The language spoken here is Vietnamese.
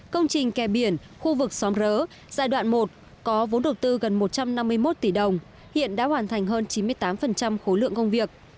công trình kè biển khu vực xóm rớ giai đoạn một có vốn đầu tư gần một trăm năm mươi một tỷ đồng hiện đã hoàn thành hơn chín mươi tám khối lượng công việc